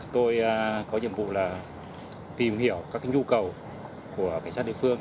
tôi có nhiệm vụ là tìm hiểu các nhu cầu của cảnh sát địa phương